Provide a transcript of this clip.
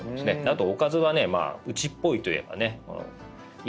あとおかずはねうちっぽいといえばねいぶりがっこ。